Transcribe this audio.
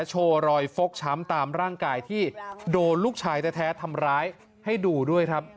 โชว์รอยฟกช้ำตามร่างกายที่โดนลูกชายแท้ทำร้ายให้ดูด้วยครับ